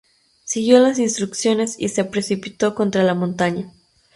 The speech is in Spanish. Siguió las instrucciones y se precipitó contra la montaña.